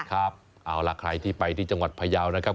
ครับเอาล่ะใครที่ไปที่จังหวัดพยาวนะครับ